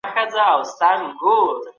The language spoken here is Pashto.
تېروتنې ومنئ او سم یې کړئ.